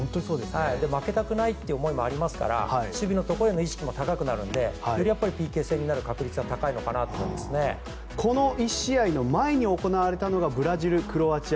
負けたくないという思いもありますから守備のところの意識も高くなるのでよりＰＫ戦になる確率はこの１試合の前に行われたのはブラジル、クロアチア。